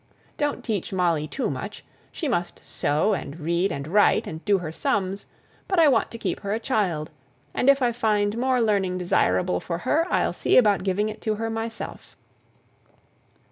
Don't teach Molly too much: she must sew, and read, and write, and do her sums; but I want to keep her a child, and if I find more learning desirable for her, I'll see about giving it to her myself.